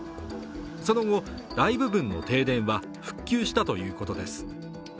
その後、大部分の停電は復旧したということです。